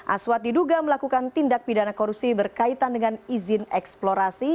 aswad diduga melakukan tindak pidana korupsi berkaitan dengan izin eksplorasi